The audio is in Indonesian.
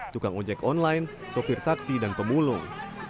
tukang ojek online sopir taksi dan pemulung